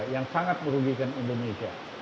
yang sangat merugikan indonesia